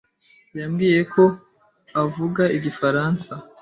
yambwiye ko avuga igifaransa.